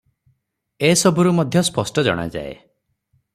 ଏ ସବୁରୁ ମଧ୍ୟ ସ୍ପଷ୍ଟ ଜଣାଯାଏ ।